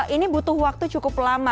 ini butuh waktu cukup lama